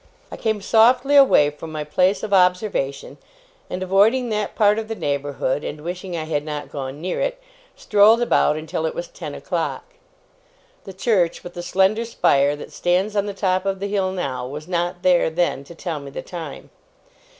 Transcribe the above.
I came softly away from my place of observation, and avoiding that part of the neighbourhood, and wishing I had not gone near it, strolled about until it was ten o'clock. The church with the slender spire, that stands on the top of the hill now, was not there then to tell me the time.